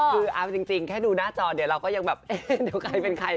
คืออ้าวจริงแค่ดูหน้าจอเดี๋ยวเราก็ยังแบบไปเป็นใคร